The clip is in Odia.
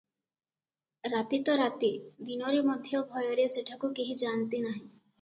ରାତି ତ ରାତି, ଦିନରେ ମଧ୍ୟ ଭୟରେ ସେଠାକୁ କେହି ଯା'ନ୍ତି ନାହିଁ ।